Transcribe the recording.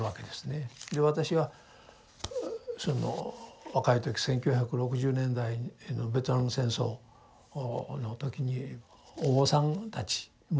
で私がその若い時１９６０年代のベトナム戦争の時にお坊さんたちもですね